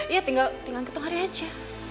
ya tinggal hitung hari aja